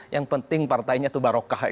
yang penting partainya itu barokah